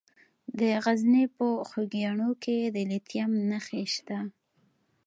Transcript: د غزني په خوږیاڼو کې د لیتیم نښې شته.